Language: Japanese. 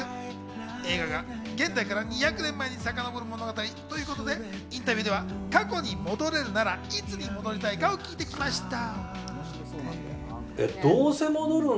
映画が現代から２００年前にさかのぼる物語ということでインタビューでは過去に戻れるなら、いつに戻りたいかを聞いてきました。